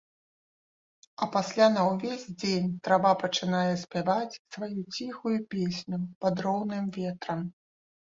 А пасля на ўвесь дзень трава пачынае спяваць сваю ціхую песню пад роўным ветрам.